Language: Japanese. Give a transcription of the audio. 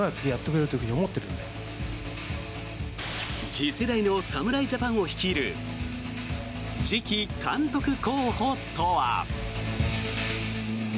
次世代の侍ジャパンを率いる次期監督候補とは。